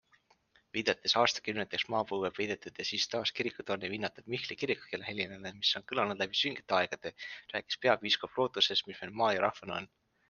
Viidates aastakümneteks maapõue peidetud ja siis taas kirikutorni vinnatud Mihkli kirikukella helinale, mis on kõlanud läbi süngete aegade, rääkis peapiiskop lootusest, mis meil maa ja rahvana on.